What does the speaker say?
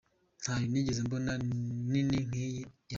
Ntayo nigeze mbona nini nkiyi yawe….